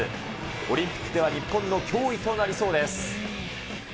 オリンピックでは日本の脅威となりそうです。